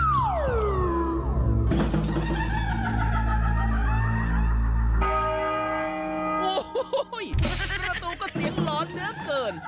โอ้โหประตูก็เสียงหลอนเหลือเกิน